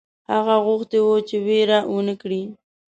هغه غوښتي وه چې وېره ونه کړي.